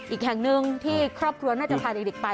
อีกแห่งหนึ่งที่ครอบครัวน่าจะพาเด็กไป